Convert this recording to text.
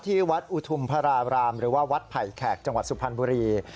ที่วัดอุทุมพระรารามหรือว่าวัดไผ่แขกจังหวัดสุพรรณบุรี